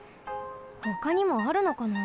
ほかにもあるのかな？